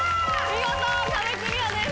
見事壁クリアです。